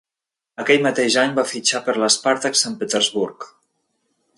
Aquell mateix any va fitxar per l'Spartak Sant Petersburg.